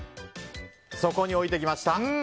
そこに置きました。